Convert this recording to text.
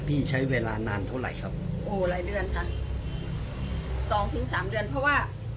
พี่ใช้เวลานานเท่าไหร่ครับโอ้หลายเดือนค่ะสองถึงสามเดือนเพราะว่า